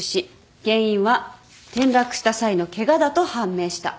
原因は転落した際のケガだと判明した。